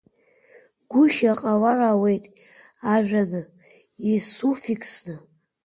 Гәышьа ҟалар ауеит ажәаны, исуффиксны.